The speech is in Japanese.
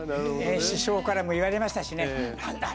師匠からも言われましたしね。